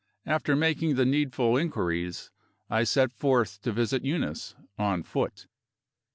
After making the needful inquiries, I set forth to visit Eunice on foot.